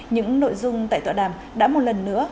những nội dung tại tọa đàm đã một lần nữa